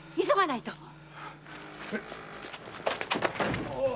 急がないと！